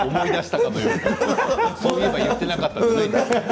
そういえば言ってなかったですね。